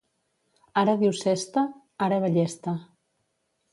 Ara diu «cesta», ara ballesta.